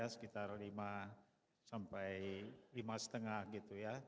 sekitar lima sampai lima lima